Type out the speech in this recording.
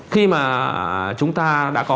khi mà chúng ta đã có